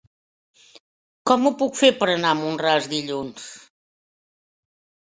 Com ho puc fer per anar a Mont-ras dilluns?